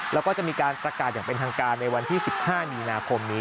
แล้วก็จะมีการประกาศอย่างเป็นทางการในวันที่๑๕มีนาคมนี้